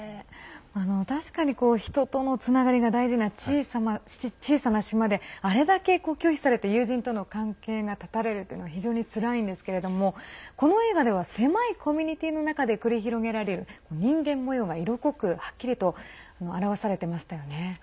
確かに、人とのつながりが大事な小さな島であれだけ、拒否されて友人との関係が絶たれるというのは非常に、つらいんですけれどもこの映画では狭いコミュニティーの中で繰り広げられる人間模様が色濃くはっきりと表されてましたよね。